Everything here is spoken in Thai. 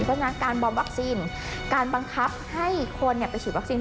เพราะฉะนั้นการบอมวัคซีนการบังคับให้คนไปฉีดวัคซีน